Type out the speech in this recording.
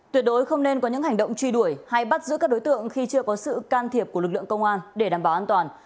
tuyệt đối không nên có những hành động truy đuổi hay bắt giữ các đối tượng khi chưa có sự can thiệp của lực lượng công an để đảm bảo an toàn